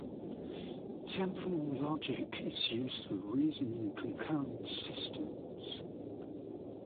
Temporal logic is used for reasoning in concurrent systems.